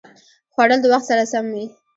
خوړل د وخت سره سم وي